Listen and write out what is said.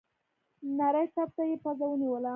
نري تپ ته يې پزه ونيوله.